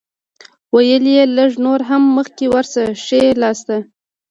ویل یې لږ نور هم مخکې ورشه ښی لاسته.